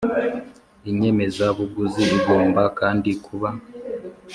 Inyemezabuguzi igomba kandi kuba